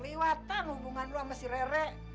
kliwatan hubungan lo sama si rere